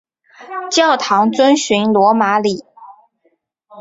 教堂遵循罗马礼。